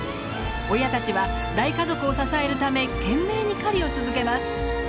親たちは大家族を支えるため懸命に狩りを続けます。